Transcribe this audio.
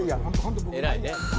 偉いね。